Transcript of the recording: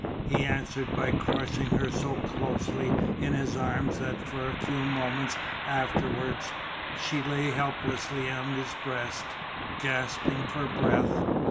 He answered by crushing her so closely in his arms that for a few moments afterward she lay helplessly on his breast, gasping for breath.